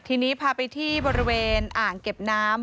ทีนี้พาไปที่บริเวณอ่างเก็บน้ำ